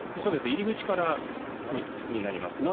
入り口からになります。